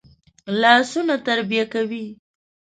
لاسونه تربیه کوي